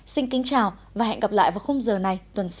xin kính chào và hẹn gặp lại vào khung giờ này tuần sau